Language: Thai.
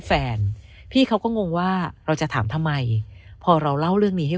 แฟนพี่เขาก็งงว่าเราจะถามทำไมพอเราเล่าเรื่องนี้ให้